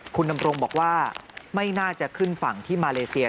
คุณดำรงบอกว่าไม่น่าจะขึ้นฝั่งที่มาเลเซีย